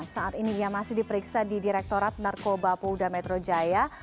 saat ini ia masih diperiksa di direktorat narkoba polda metro jaya